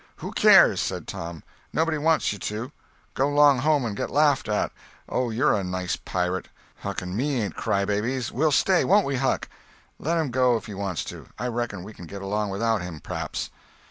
"Who cares!" said Tom. "Nobody wants you to. Go 'long home and get laughed at. Oh, you're a nice pirate. Huck and me ain't crybabies. We'll stay, won't we, Huck? Let him go if he wants to. I reckon we can get along without him, per'aps."